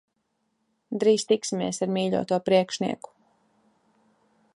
Drīz tiksimies ar mīļoto priekšnieku.